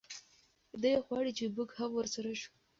دی غواړي چې موږ هم ورسره شو.